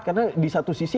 karena di satu sisi